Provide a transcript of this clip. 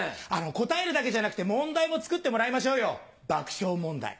答えるだけじゃなくて問題も作ってもらいましょうよ爆笑問題。